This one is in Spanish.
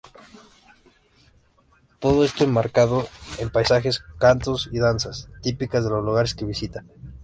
Todo esto enmarcado en paisajes, cantos y danzas típicas de los lugares que visita.